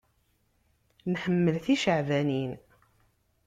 Nḥemmel ticeɛbanin.